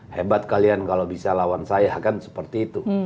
hebat kalian kalau bisa lawan saya kan seperti itu